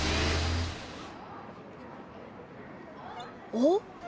おっ！